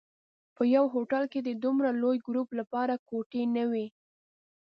په یوه هوټل کې د دومره لوی ګروپ لپاره کوټې نه وې.